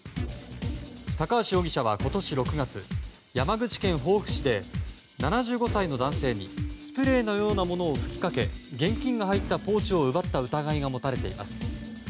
高橋容疑者は今年６月、山口県防府市で７５歳の男性にスプレーのようなものを吹きかけ現金が入ったポーチを奪った疑いが持たれています。